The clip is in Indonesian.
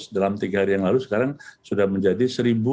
dalam tiga hari yang lalu sekarang sudah menjadi seribu tujuh ratus sembilan